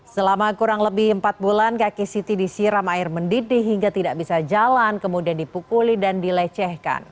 selama kurang lebih empat bulan kaki siti disiram air mendidih hingga tidak bisa jalan kemudian dipukuli dan dilecehkan